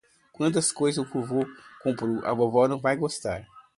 Quantas coisas o vovô comprou! A vovô não vai gostar.